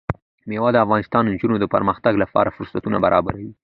مېوې د افغان نجونو د پرمختګ لپاره فرصتونه برابروي.